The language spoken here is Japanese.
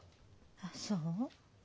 あっそう？